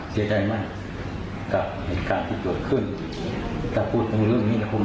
เสียใจมากคือการที่เจาะขึ้น